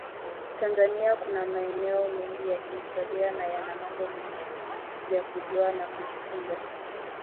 Tanzania kuna maeneo mengi ya kihistoria na yana mambo mengi ya kujua na kujifunza